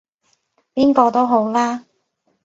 邊個都好啦